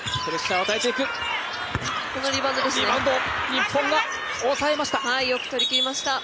日本がおさえました。